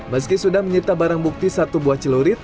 meski sudah menyita barang bukti satu buah celurit